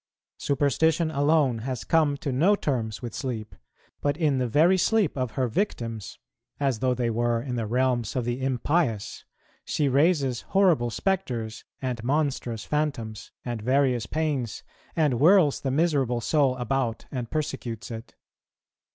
Superstition alone has come to no terms with sleep; but in the very sleep of her victims, as though they were in the realms of the impious, she raises horrible spectres, and monstrous phantoms, and various pains, and whirls the miserable soul about, and persecutes it.